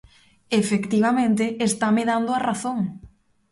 Efectivamente, estame dando a razón.